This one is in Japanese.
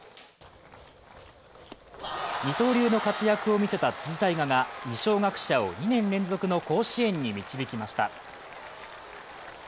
二刀流の活躍を見せた辻大雅が二松学舎を２年連続の甲子園に導きました。